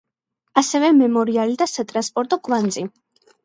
ასევე მემორიალი და სატრანსპორტო კვანძი.